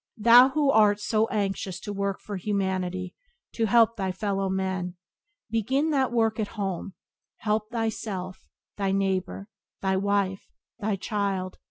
Thou who art so anxious to work for humanity, to help thy fellow men, begin that work at home; help thyself, thy neighbour, thy wife, thy child.